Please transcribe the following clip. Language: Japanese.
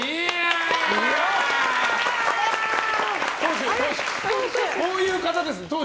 党首、こういう方です。